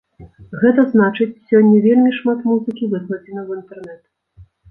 Гэта значыць, сёння вельмі шмат музыкі выкладзена ў інтэрнэт.